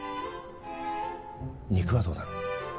肉はどうだろう。